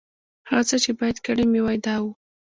هغه څه چې باید کړي مې وای، دا و.